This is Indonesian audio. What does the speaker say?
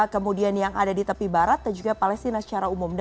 kemudian yang ada di tepi barat dan juga palestina secara umum